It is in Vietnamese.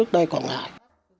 đầy có ngại